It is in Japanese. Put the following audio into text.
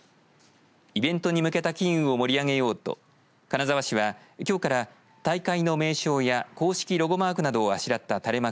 イベントに向けた機運を盛り上げようと金沢市は今日から大会の名称や公式ログマークなどをあしらった垂れ幕